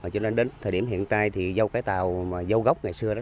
cho nên đến thời điểm hiện tại thì dâu cái tàu mà dâu gốc ngày xưa đó